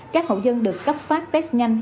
các hậu dân được cấp phát test nhanh